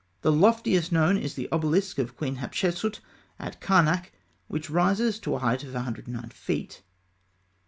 The loftiest known is the obelisk of Queen Hatshepsût at Karnak, which rises to a height of 109 feet.